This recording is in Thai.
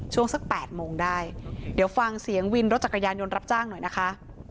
สัก๘โมงได้เดี๋ยวฟังเสียงวินรถจักรยานยนต์รับจ้างหน่อยนะคะ